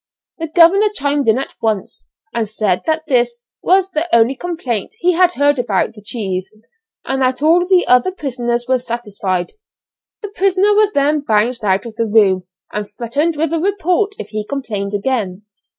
The governor chimed in at once, and said that this was the only complaint he had heard about the cheese, and that all the other prisoners were satisfied. The prisoner was then bounced out of the room, and threatened with a 'report' if he complained again.